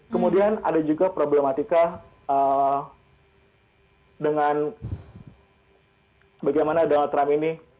kemudian ada juga problematika dengan bagaimana donald trump ini